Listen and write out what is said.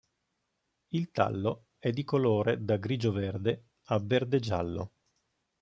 Il tallo è di colore da grigio-verde a verde-giallo.